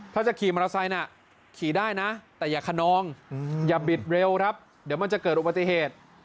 ถ้าจะขี่มอเตอร์ไซค์น่ะขี่ได้นะแต่อย่าขนองอย่าบิดเร็วครับเดี๋ยวมันจะเกิดอุบัติเหตุ